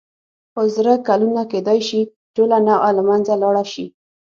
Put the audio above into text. څو زره کلونه کېدای شي ټوله نوعه له منځه لاړه شي.